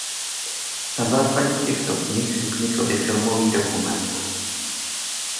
Na základě těchto knih vznikl i filmový dokument.